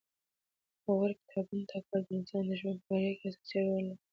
د غوره کتابونو ټاکل د انسان د ژوند په بریا کې اساسي رول لري.